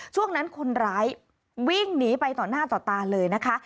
ช่วงนั้นคนร้ายวิ่งหนีไปต่อหน้าต่อตาเลยนะคะ